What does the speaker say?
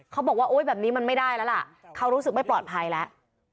เขาบอกว่าโอ๊ยแบบนี้มันไม่ได้แล้วล่ะเขารู้สึกไม่ปลอดภัยแล้ว